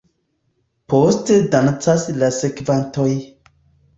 Poste dancas la sekvantoj.